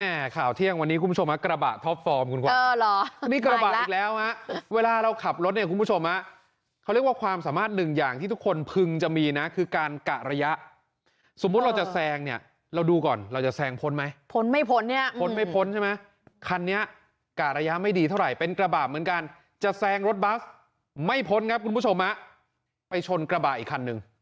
แน่ข่าวเที่ยงวันนี้คุณผู้ชมครับกระบะท็อปฟอร์มคุณความเออเหรอมีกระบะอีกแล้วนะเวลาเราขับรถเนี่ยคุณผู้ชมนะเขาเรียกว่าความสามารถหนึ่งอย่างที่ทุกคนพึงจะมีนะคือการกะระยะสมมุติเราจะแซงเนี่ยเราดูก่อนเราจะแซงพ้นไหมพ้นไม่พ้นเนี่ยพ้นไม่พ้นใช่ไหมคันนี้กะระยะไม่ดีเท่าไหร่เป็นกระบะเหมือนกันจะ